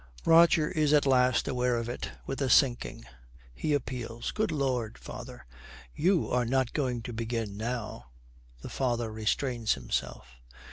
Roger is at last aware of it, with a sinking. He appeals, 'Good lord, father, you are not going to begin now.' The father restrains himself.